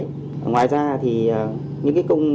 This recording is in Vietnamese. ngoài ra thì những công việc của mình là những công việc của bà con